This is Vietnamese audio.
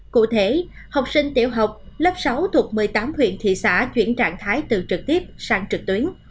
cụ thể học sinh tiểu học lớp sáu thuộc một mươi tám huyện thị xã chuyển trạng thái từ trực tiếp sang trực tuyến